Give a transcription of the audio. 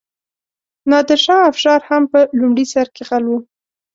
نادرشاه افشار هم په لومړي سر کې غل و.